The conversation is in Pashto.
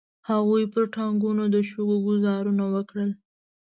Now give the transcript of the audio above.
هغوی پر ټانګونو د شګو ګوزارونه وکړل.